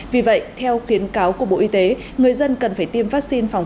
vì vậy theo khuyến cáo của bộ y tế người dân cần phải tiêm vaccine phòng